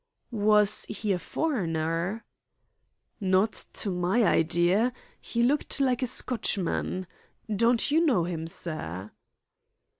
"Was he a foreigner?" "Not to my idea. He looked like a Scotchman. Don't you know him, sir?"